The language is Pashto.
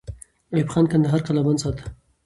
ایوب خان کندهار قلابند ساته.